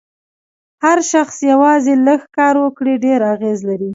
هر شخص یوازې لږ کار وکړي ډېر اغېز لري.